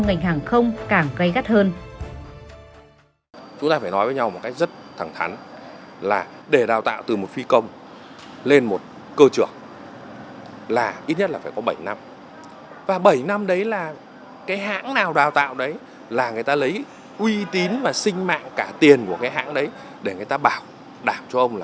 ngành hàng không càng gây gắt hơn